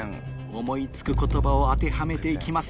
思い付く言葉を当てはめて行きます